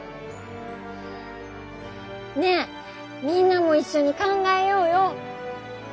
ねえみんなもいっしょに考えようよ。